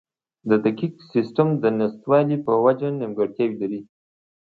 د دقیق سیستم د نشتوالي په وجه نیمګړتیاوې لري.